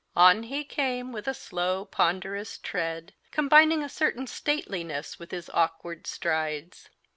On he came with a slow, ponderous tread, combining a certain stateliness with his awkward strides.